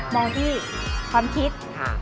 มองที่ความคิด